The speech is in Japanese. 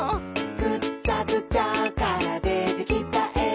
「ぐっちゃぐちゃからでてきたえ」